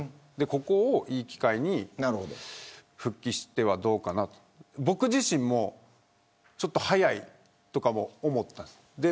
ここをいい機会に復帰してはどうかなと僕自身もちょっと早いとかも思ったんです。